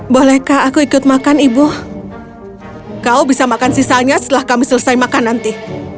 bolehkah aku ikut makan ibu kau bisa makan sisanya setelah kami selesai makan nanti